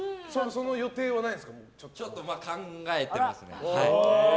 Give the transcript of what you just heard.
ちょっと考えてますね。